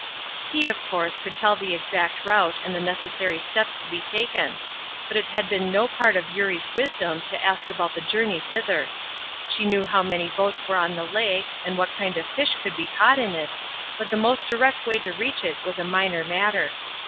He of course could tell the exact route and the necessary steps to be taken; but it had been no part of Eurie's wisdom to ask about the journey thither; she knew how many boats were on the lake, and what kind of fish could be caught in it, but the most direct way to reach it was a minor matter.